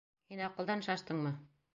Һин аҡылдан шаштыңмы?